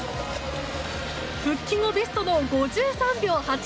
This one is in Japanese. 復帰後ベストの５３秒８３！